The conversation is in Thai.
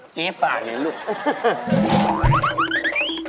เจ๊ฝากหน่อยลูก